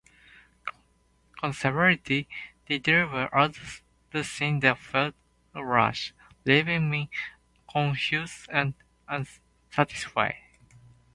Conversely, there were other scenes that felt rushed, leaving me confused and unsatisfied.